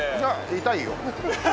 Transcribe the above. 痛いよ。